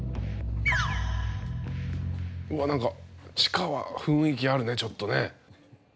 うわ何か地下は雰囲気あるねちょっとね。